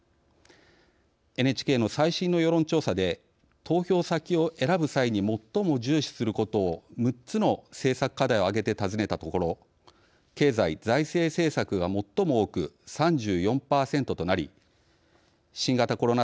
ＮＨＫの最新の世論調査で投票先を選ぶ際に最も重視することを６つの政策課題を挙げて尋ねたところ経済・財政政策が最も多く３４％となり新型コロナ